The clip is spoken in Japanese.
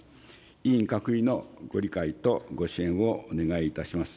委員各位のご理解とご支援をお願いいたします。